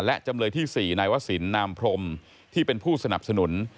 และจำเลยที่๔นายวศิลปนามพรมที่เป็นผู้สนับสนุน